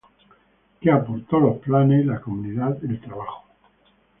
Que aportó los planos y la comunidad el trabajo.